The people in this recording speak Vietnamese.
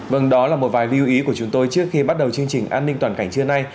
vâng đó là một vài lưu ý của chúng tôi trước khi bắt đầu chương trình an ninh toàn cảnh trưa nay